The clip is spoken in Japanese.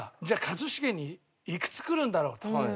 じゃあ一茂にいくつ来るんだろうと。